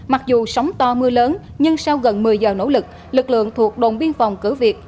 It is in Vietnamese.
mặc dù sóng to mưa lớn nhưng sau gần một mươi giờ nỗ lực lực lượng thuộc đồn biên phòng cửa việt